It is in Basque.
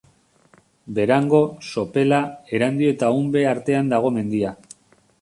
Berango, Sopela, Erandio eta Unbe artean dago mendia.